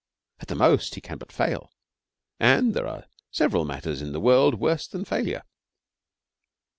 At the most he can but fail, and there are several matters in the world worse than failure.